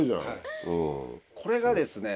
これがですね。